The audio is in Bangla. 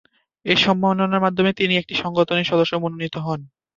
এ সম্মাননার মাধ্যমে তিনি এ সংগঠনটির সদস্য মনোনিত হন।